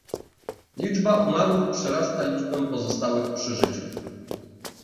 "Liczba umarłych przerasta liczbę pozostałych przy życiu."